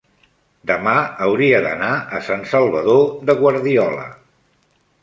demà hauria d'anar a Sant Salvador de Guardiola.